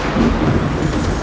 aku akan menang